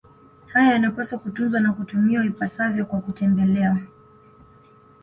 Haya yanapaswa kutunzwa na kutumiwa ipasavyo kwa kutembelewa